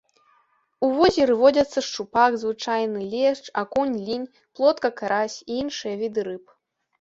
У возеры водзяцца шчупак звычайны, лешч, акунь, лінь, плотка, карась і іншыя віды рыб.